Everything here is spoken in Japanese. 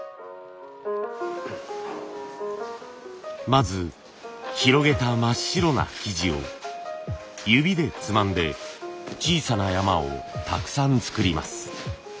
まず広げた真っ白な生地を指でつまんで小さな山をたくさん作ります。